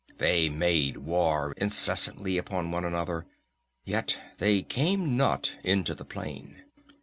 They made war incessantly upon one another. Yet they came not into the plain.